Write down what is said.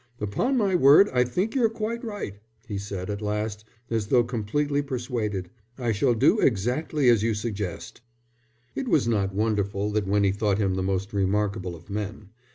"Upon my word, I think you're quite right," he said at last, as though completely persuaded. "I shall do exactly as you suggest." It was not wonderful that Winnie thought him the most remarkable of men.